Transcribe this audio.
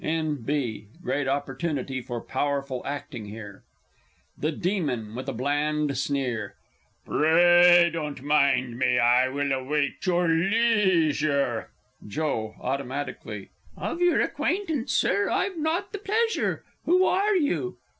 _ N.B. Great opportunity for powerful acting here. The Demon (with a bland sneer). Pray don't mind me I will await your leisure. Joe (automatically). Of your acquaintance, Sir, I've not the pleasure. Who are you?